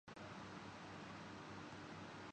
FIFA World cup جیتنے پر France میں جشنعوام سڑکوں پر نکل ائے